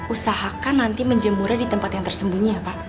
usahakan nanti menjemurnya di tempat yang tersembunyi ya pak